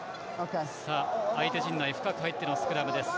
相手陣内深く入ってのスクラムです。